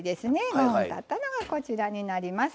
５分たったのがこちらになります。